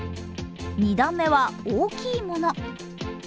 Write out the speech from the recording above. ２段目は大きいもの。